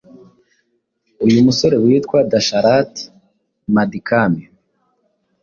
uyu musore witwa dasharath madkami